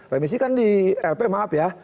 remisi kan di lp maaf ya